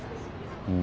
うん。